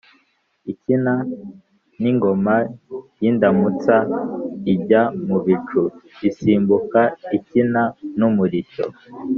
ikina n’ingoma y’indamutsa: ijya mu bicu (isimbuka) ikina n’umurishyo